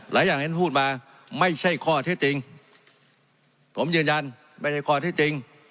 หลายอย่างท่านพูดมาไม่ใช่ข้อที่จริงผมยืนยันไม่ใช่ข้อที่จริง